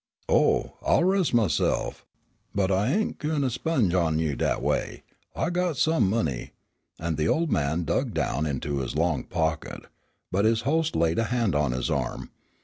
"Oh, I'll res' myself, but I ain' gwine sponge on you dat away. I got some money," and the old man dug down into his long pocket. But his host laid a hand on his arm.